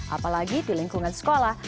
apalagi di lingkungan sekolah